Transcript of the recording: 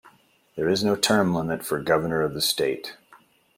There is no term limit for governor of the state.